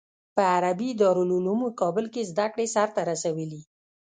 په عربي دارالعلوم کابل کې زده کړې سر ته رسولي.